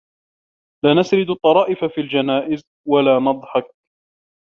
لا نسرد الطرائف في الجنائز، ولا نضحك.